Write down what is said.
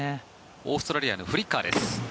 オーストラリアのフリッカーです。